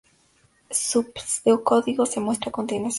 Su pseudocódigo se muestra a continuación.